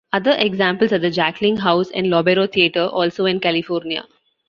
Other examples are the Jackling House and Lobero Theatre also in California.